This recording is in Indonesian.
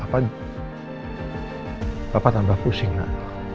papa tambah pusing nak